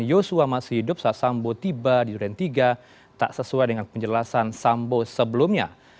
yosua masih hidup saat sambo tiba di duren tiga tak sesuai dengan penjelasan sambo sebelumnya